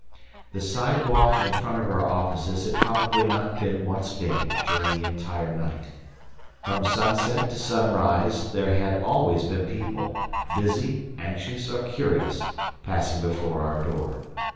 The sidewalk in front of our offices had probably not been once vacant during the entire night. From sunset to sunrise, there had always been people, busy, anxious, or curious, passing before our door.